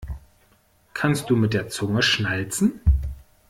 Kannst du mit der Zunge schnalzen?